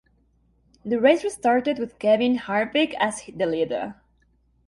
The race restarted with Kevin Harvick as the leader.